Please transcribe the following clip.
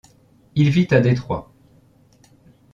Il vit à Detroit.